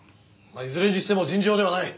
いずれにしても尋常ではない。